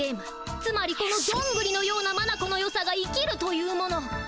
つまりこのどんぐりのようなまなこのよさが生きるというもの。